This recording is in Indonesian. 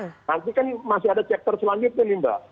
nanti kan masih ada checkter selanjutnya nih mbak